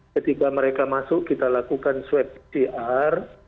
ketika mereka masuk kita lakukan swab pcr